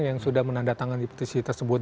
yang sudah menandatangani petisi tersebut